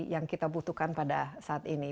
yang kita butuhkan pada saat ini